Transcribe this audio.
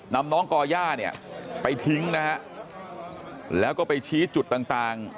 น้องก่อย่าเนี่ยไปทิ้งนะฮะแล้วก็ไปชี้จุดต่าง